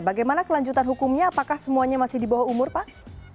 bagaimana kelanjutan hukumnya apakah semuanya masih di bawah umur pak